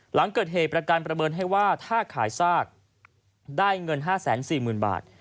หลังเกิดเหตุประกันประเมินให้ว่าถ้าขายซากได้เงิน๕๔๐๐๐บาท